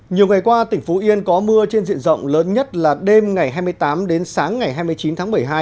nhiều ngày qua tỉnh phú yên có mưa trên diện rộng lớn nhất là đêm ngày hai mươi tám đến sáng ngày hai mươi chín tháng một mươi hai